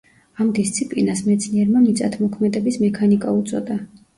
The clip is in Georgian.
ამ დისციპლინას მეცნიერმა მიწათმოქმედების მექანიკა უწოდა.